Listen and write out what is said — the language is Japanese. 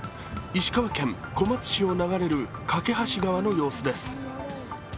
石川県小松市を流れる梯川橋の様子です。